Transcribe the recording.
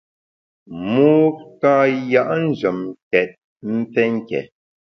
Mû ka ya’ njem tèt mfé nké.